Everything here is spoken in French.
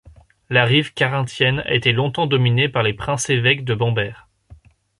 La rive carinthienne a été longtemps dominée par les princes-évêques de Bamberg.